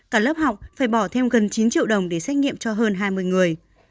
cả lớp học phải bỏ thêm gần chín triệu đồng để xét nghiệm cho hơn hai mươi người